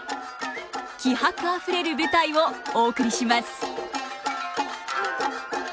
気迫あふれる舞台をお送りします。